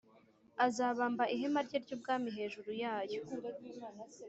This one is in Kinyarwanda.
azabamba ihema rye ryubwami hejuru yayo